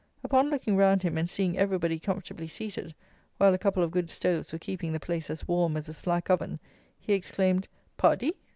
Upon looking round him, and seeing everybody comfortably seated, while a couple of good stoves were keeping the place as warm as a slack oven, he exclaimed: "_Pardi!